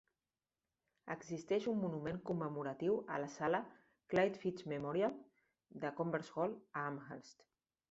Existeix un monument commemoratiu a la sala "Clyde Fitch Memorial" de Converse Hall, a Amherst.